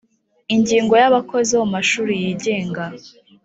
ingingo ya abakozi bo mu mashuri yigenga